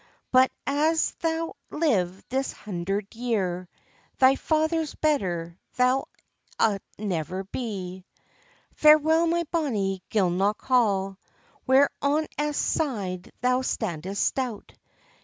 But an thou live this hundred year, Thy father's better thou'lt never be. "Farewell, my bonnie Gilnock hall, Where on Esk side thou standest stout!